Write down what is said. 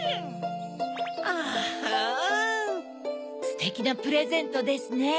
ステキなプレゼントですね。